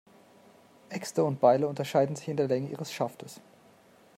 Äxte und Beile unterscheiden sich in der Länge ihres Schaftes.